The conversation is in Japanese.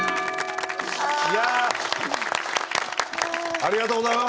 ありがとうございます。